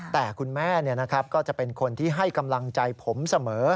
แต่คุณแม่ก็จะเป็นคนที่ให้กำลังใจผมเสมอ